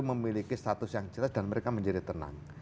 memiliki status yang jelas dan mereka menjadi tenang